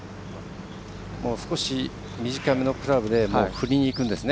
少し、短めのクラブで振りにいくんですね。